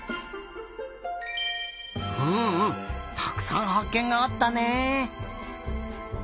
うんうんたくさんはっけんがあったね。